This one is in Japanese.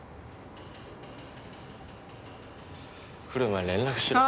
来る前に連絡しろよ